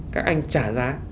các anh trả giá